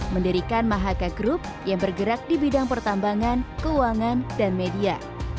mendirikan mahaka group yang bergerak di bidang pertambangan keuangan dan media